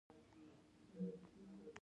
اوس نه، ډېر ښه روان یو.